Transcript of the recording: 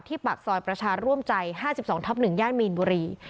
ที่ปักซอยประชารร่วมใจห้าสิบสองทับหนึ่งย่านมีนบุรี